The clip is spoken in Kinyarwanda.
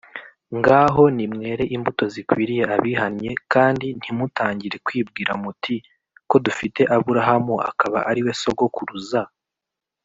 Ngaho nimwere imbuto zikwiriye abihannye, kandi ntimutangire kwibwira muti, ‘Ko dufite Aburahamu akaba ariwe sogokuruza